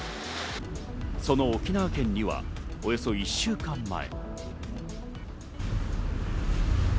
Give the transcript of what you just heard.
その沖縄県にはおよそ１週間前。